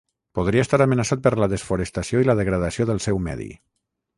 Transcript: Podria estar amenaçat per la desforestació i la degradació del seu medi.